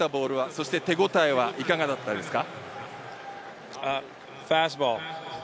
そして手応えはいかがだったですか？